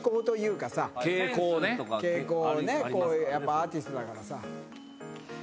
アーティストだからさ。